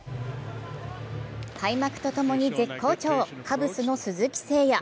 開幕と共に絶好調、カブスの鈴木誠也。